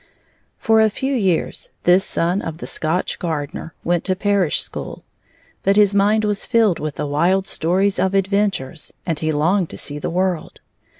For a few years this son of the Scotch gardener went to parish school, but his mind was filled with the wild stories of adventure, and he longed to see the world.